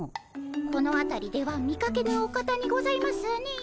このあたりでは見かけぬお方にございますねえ。